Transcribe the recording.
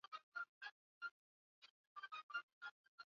Amempa asali ili ale.